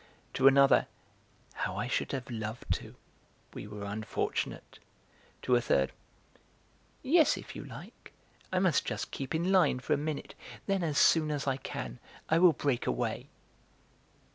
to another: "How I should have loved to! We were unfortunate!", to a third: "Yes, if you like! I must just keep in the line for a minute, then as soon as I can I will break away."